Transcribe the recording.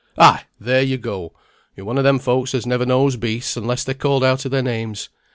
"Ay, there you go! You're one o' them folks as never knows beasts unless they're called out o' their names.